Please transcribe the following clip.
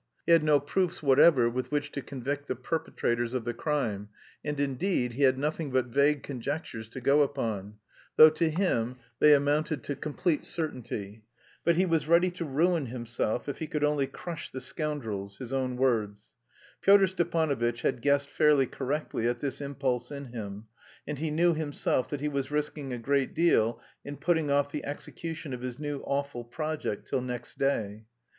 He had no proofs whatever with which to convict the perpetrators of the crime, and, indeed, he had nothing but vague conjectures to go upon, though to him they amounted to complete certainty. But he was ready to ruin himself if he could only "crush the scoundrels" his own words. Pyotr Stepanovitch had guessed fairly correctly at this impulse in him, and he knew himself that he was risking a great deal in putting off the execution of his new awful project till next day.